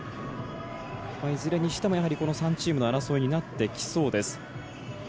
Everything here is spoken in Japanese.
いずれにしてもやはりこの３チームの争いになってきそうです。